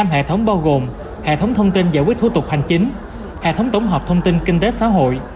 năm hệ thống bao gồm hệ thống thông tin giải quyết thủ tục hành chính hệ thống tổng hợp thông tin kinh tế xã hội